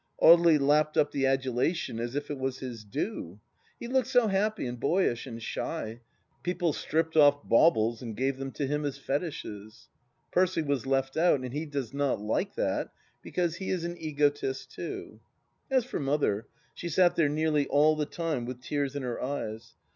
Audely lapped up the adulation as if it was his due. He looked so happy and boyish and shy. People stripped off baubles and gave them to him as fetishes. ... Percy was left out, and he does not like that, because he is an egotist too. As for Mother, she sat there nearly ail the time with tears in her eyes.